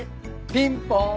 ピンポーン！